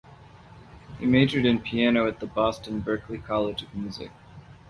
He majored in piano at the Boston Berklee College of Music.